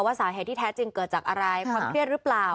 สาเหตุที่แท้จริงเกิดจากอะไรความเครียดหรือเปล่า